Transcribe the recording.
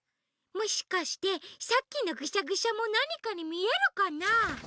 もしかしてさっきのグシャグシャもなにかにみえるかなあ？